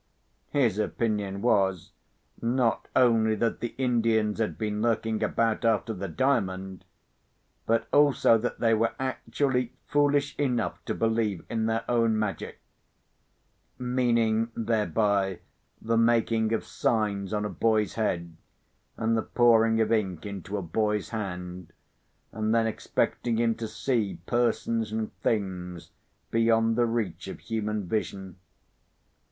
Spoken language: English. His opinion was, not only that the Indians had been lurking about after the Diamond, but also that they were actually foolish enough to believe in their own magic—meaning thereby the making of signs on a boy's head, and the pouring of ink into a boy's hand, and then expecting him to see persons and things beyond the reach of human vision.